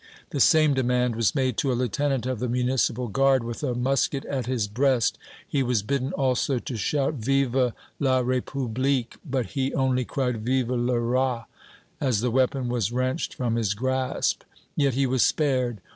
The same demand was made to a lieutenant of the Municipal Guard, with a musket at his breast; he was bidden also to shout "Vive la République!" but he only cried "Vive le Roi!" as the weapon was wrenched from his grasp! Yet he was spared.